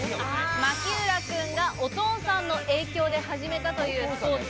槙浦くんがお父さんの影響で始めたというスポーツ。